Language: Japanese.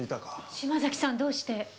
島崎さんどうして？